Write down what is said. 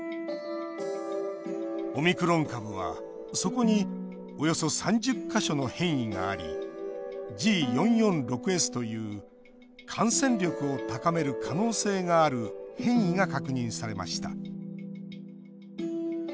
オミクロン株は、そこにおよそ３０か所の変異がありＧ４４６Ｓという感染力を高める可能性がある変異が確認されました。